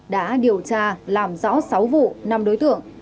đã điều tra làm rõ sáu vụ năm đối tượng